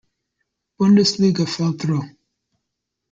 Bundesliga fell through.